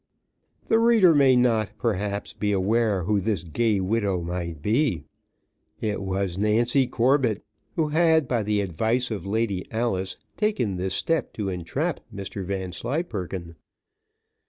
The reader may not, perhaps, be aware who this gay widow might be. It was Nancy Corbett, who had, by the advice of Lady Alice, taken this step to entrap Mr Vanslyperken.